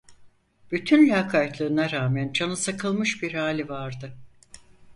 Bütün lakaytlığına rağmen canı sıkılmış bir hali vardı.